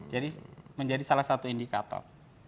jadi menjadi salah satu indikator